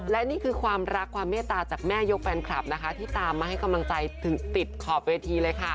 และนี่คือความรักความเมตตาจากแม่ยกแฟนคลับนะคะติดขอบเวทีเลยค่ะ